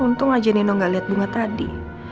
untung aja nino gak lihat bunga tadi